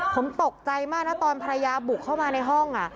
ผมตกใจมากนะตอนภรรยาบุกเข้ามาในห้อง